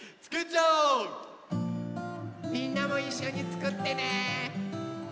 みんなもいっしょにつくってね！